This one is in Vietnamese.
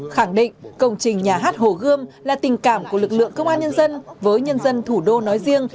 khẳng định công trình nhà hát hồ gươm là tình cảm của lực lượng công an nhân dân với nhân dân thủ đô nói riêng